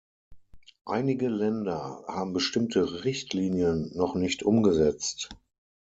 Einige Länder haben bestimmte Richtlinien noch nicht umgesetzt.